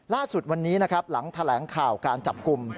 ล่าสุดวันนี้นะครับหลังแถลงข่าวการจับกลุ่ม